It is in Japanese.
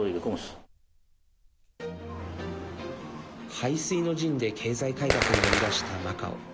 背水の陣で経済改革に乗り出したマカオ。